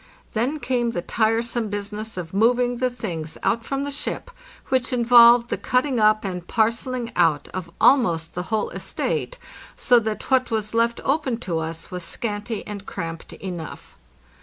Then came the tiresome business of moving the things out from the ship, which involved the cutting up and parcelling out of almost the whole * estate," so that what was left open to us was scanty and cramped enough.